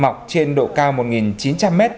mọc trên độ cao một chín trăm linh m